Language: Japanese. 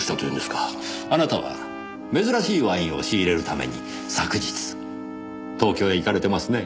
あなたは珍しいワインを仕入れるために昨日東京へ行かれてますね？